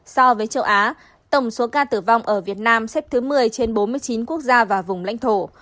so với châu á tổng số ca tử vong ở việt nam xếp thứ một mươi trên bốn mươi chín quốc gia và vùng lãnh thổ